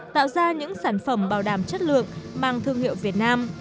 tạo ra những sản phẩm bảo đảm chất lượng mang thương hiệu việt nam